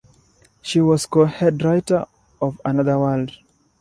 She was co-head writer of "Another World".